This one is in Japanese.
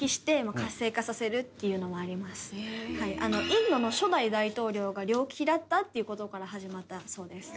インドの初代大統領が両利きだったっていう事から始まったそうです。